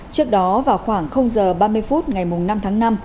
trước đó vào khoảng h ba mươi phút ngày năm tháng năm